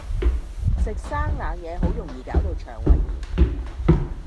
食生冷野好容易搞到腸胃炎